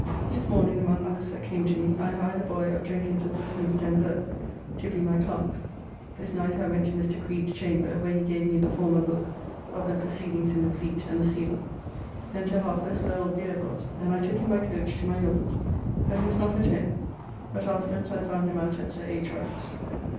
This morning among others that came to me I hired a boy of Jenkins of Westminster and Burr to be my clerk. This night I went to Mr. Creed's chamber where he gave me the former book of the proceedings in the fleet and the Seal. Then to Harper's where old Beard was and I took him by coach to my Lord's, but he was not at home, but afterwards I found him out at Sir H. Wright's.